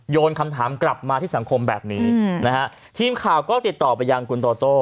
คำถามกลับมาที่สังคมแบบนี้นะฮะทีมข่าวก็ติดต่อไปยังคุณโตโต้